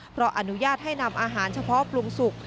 เพราะอนุญาตให้นำอาหารเฉพาะปรุงสุก